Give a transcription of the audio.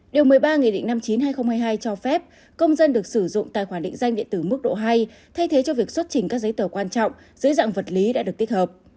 điều một mươi ba nghị định năm mươi chín hai nghìn hai mươi hai cho phép công dân được sử dụng tài khoản định danh điện tử mức độ hai thay thế cho việc xuất trình các giấy tờ quan trọng dưới dạng vật lý đã được tích hợp